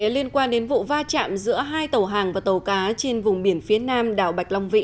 liên quan đến vụ va chạm giữa hai tàu hàng và tàu cá trên vùng biển phía nam đảo bạch long vĩ